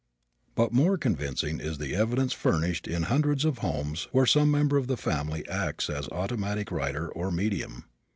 But more convincing is the evidence furnished in hundreds of homes where some member of the family acts as automatic writer or medium.